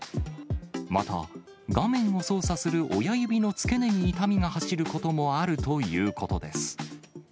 また、画面を操作する親指の付け根に痛みが走ることもあるということです。